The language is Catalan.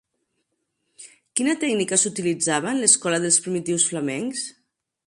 Quina tècnica s'utilitzava en l'Escola dels primitius flamencs?